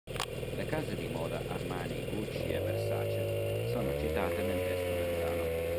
Le case di moda Armani, Gucci e Versace sono citate nel testo del brano.